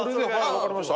分かりました。